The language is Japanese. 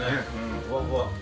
ふわふわ。